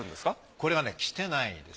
これは着てないんです。